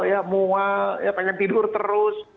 ya mual ya pengen tidur terus